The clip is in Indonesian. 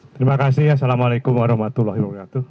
terima kasih assalamu alaikum warahmatullahi wabarakatuh